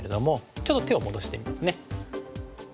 ちょっと手を戻してみますね。